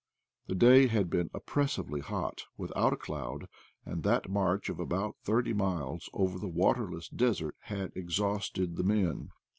The day had been oppressively hot, with out a cloud, and that march of about thirty miles over the waterless desert had exhausted the men.